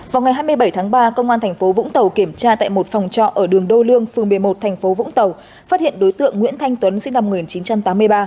vào ngày hai mươi bảy tháng ba công an tp vũng tàu kiểm tra tại một phòng trọ ở đường đô lương phương b một tp vũng tàu phát hiện đối tượng nguyễn thanh tuấn sinh năm một nghìn chín trăm tám mươi ba